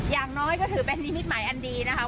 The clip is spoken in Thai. อย่างน้อยก็ถือเป็นนิมิตหมายอันดีนะคะ